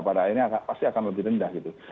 pada akhirnya pasti akan lebih rendah gitu